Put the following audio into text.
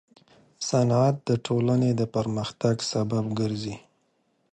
صنعت د ټولنې د پرمختګ سبب ګرځي.